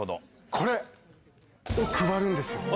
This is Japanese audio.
これを配るんですよ。